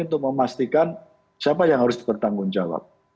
untuk memastikan siapa yang harus bertanggung jawab